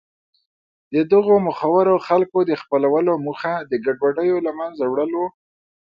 د دغو مخورو خلکو د خپلولو موخه د ګډوډیو له منځه وړل و.